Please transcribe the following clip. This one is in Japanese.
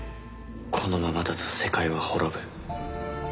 このままだと世界は滅ぶ。